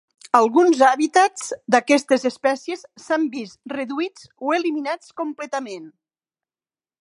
Alguns hàbitats d'aquestes espècies s'han vist reduïts o eliminats completament.